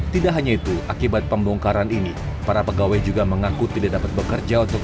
tidak hanya itu akibat pembongkaran ini para pegawai juga mengaku tidak dapat bekerja untuk